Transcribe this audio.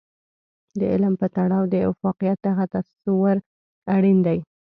د علم په تړاو د افاقيت دغه تصور اړين دی.